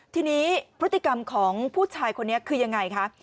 ทีนี้พฤติกรรมของผู้ชายคนนี้คือยังไงคะ